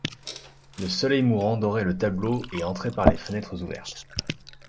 Le soleil mourant dorait le tableau et entrait par les fenêtres ouvertes.